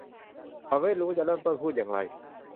เขาไม่รู้จะเริ่มต้นพูดอย่างไร